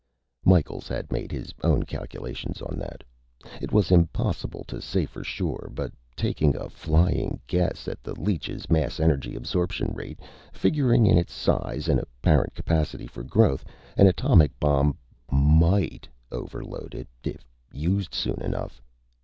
Micheals had made his own calculations on that. It was impossible to say for sure, but taking a flying guess at the leech's mass energy absorption rate, figuring in its size and apparent capacity for growth, an atomic bomb might overload it if used soon enough.